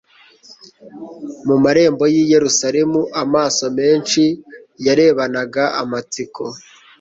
mu marembo y'i Yerusalemu amaso menshi yarebanaga amatsiko